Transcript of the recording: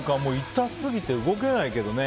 痛すぎて動けないけどね。